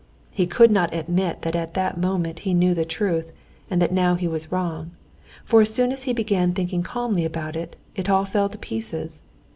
He could not admit that at that moment he knew the truth, and that now he was wrong; for as soon as he began thinking calmly about it, it all fell to pieces.